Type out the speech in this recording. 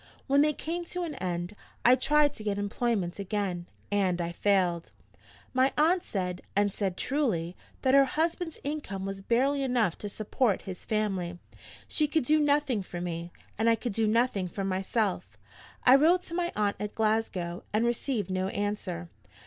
When they came to an end, I tried to get employment again, and I failed. My aunt said, and said truly, that her husband's income was barely enough to support his family: she could do nothing for me, and I could do nothing for myself. I wrote to my aunt at Glasgow, and received no answer.